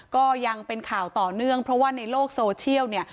ก็ยังเป็นข่าวต่อเนื่องเพราะว่าในโลกโซเชียลเนี่ย